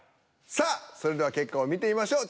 さあそれでは結果を見てみましょう。